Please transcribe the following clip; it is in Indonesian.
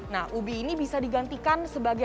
nah ubi ini bisa digantikan sebagai